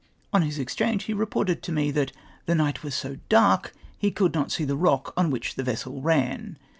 On his exchange he reported to me that " the night was so dark, he could not see the rock on which the vessel ran!"